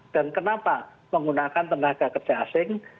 dan kenapa menggunakan tenaga kerja asing